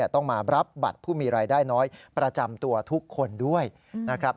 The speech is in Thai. ต้องมารับบัตรผู้มีรายได้น้อยประจำตัวทุกคนด้วยนะครับ